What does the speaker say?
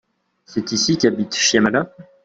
C'est ici qu'habite Shyamala ?